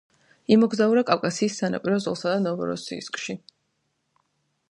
იმოგზაურა კავკასიის სანაპირო ზოლსა და ნოვოროსიისკში.